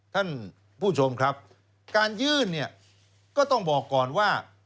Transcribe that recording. ท่านผู้ชมครับการยื่นเนี่ยก็ต้องบอกก่อนว่า